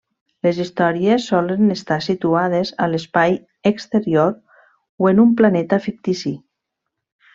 Les històries solen estar situades a l'espai exterior o en un planeta fictici.